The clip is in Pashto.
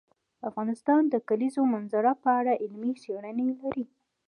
افغانستان د د کلیزو منظره په اړه علمي څېړنې لري.